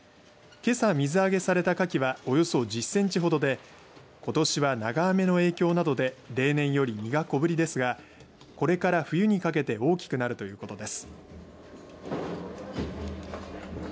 けさ水揚げされたかきはおよそ１０センチほどでことしは長雨の影響などで例年より身が小ぶりですがこれから冬にかけて大きくなるということです。